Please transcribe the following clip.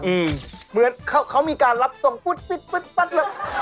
เหมือนเขามีการรับตรงปุ๊บปุ๊บปุ๊บปุ๊บ